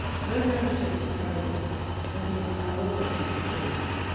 Mowbray undertakes to carry this, that he may be more welcome to you, he says.